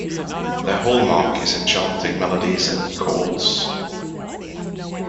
Their hallmark is enchanting melodies and chords.